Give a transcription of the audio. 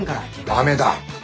ダメだ。